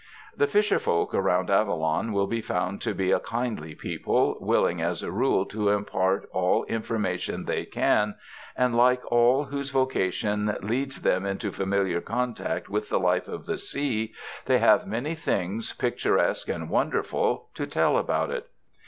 The fisher folk around Avalon will be found to be a kindly people, willing as a rule to impart all in formation tliey can, and like all whose vocation leads them into familiar contact with the life of the sea, they have many things picturesque and won derful to tell about it.